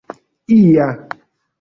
ia